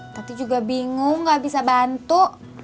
tapi juga bingung gak bisa bantu